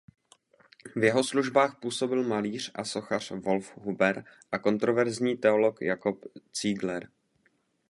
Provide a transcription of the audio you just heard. V jeho službách působil malíř a sochař Wolf Huber a kontroverzní teolog Jacob Ziegler.